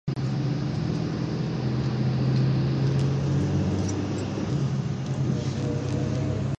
男が一度・・・！！！必ず帰ると言ったのだから！！！